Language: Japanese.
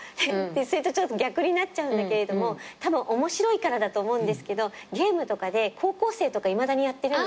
それとちょっと逆になっちゃうんだけれどもたぶん面白いからだと思うんですけどゲームとかで高校生とかいまだにやってるんです私。